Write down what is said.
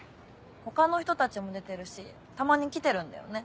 他の人たちも出てるしたまに来てるんだよね。